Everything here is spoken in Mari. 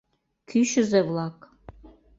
Кӱчызӧ-влак.